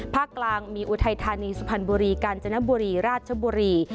กลางมีอุทัยธานีสุพรรณบุรีกาญจนบุรีราชบุรี